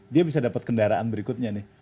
dia bisa dapat kendaraan berikutnya nih